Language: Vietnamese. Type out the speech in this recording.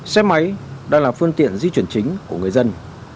xe máy đang là phương tiện di chuyển chính của người dân